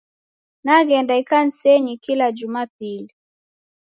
Naghenda ikanisenyi kila jumapili.